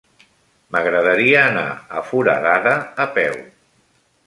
M'agradaria anar a Foradada a peu.